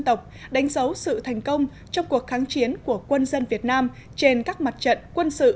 độc đánh dấu sự thành công trong cuộc kháng chiến của quân dân việt nam trên các mặt trận quân sự